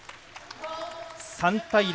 ３対０。